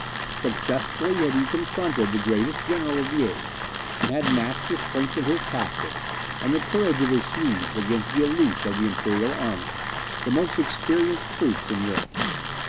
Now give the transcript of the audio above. Successfully had he confronted the greatest general of the age, and had matched the strength of his tactics and the courage of his Swedes against the elite of the imperial army, the most experienced troops in Europe.